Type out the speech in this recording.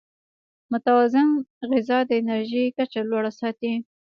متوازن غذا د انرژۍ کچه لوړه ساتي.